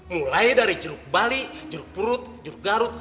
mulai dari jeruk bali jeruk perut jeruk garut